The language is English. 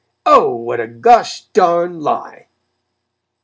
_Oh, what a gosh darn lie!